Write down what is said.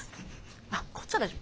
あっこっちは大丈夫。